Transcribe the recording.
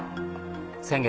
先月